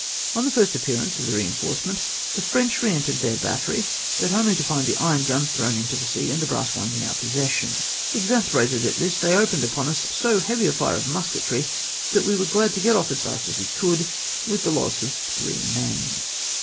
On the first appearance of the reinforcement, the French reentered their battery, but only to find the iron guns thrown in the sea and the brass ones in om^ possession. Exasperated at this, they opened upon us so heavy a fire of musketry that we were glad to get off as fast as we could, ^vith the loss of tliree men.